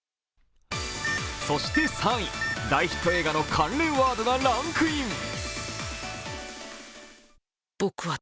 そして３位、大ヒット映画の関連ワードがランクイン。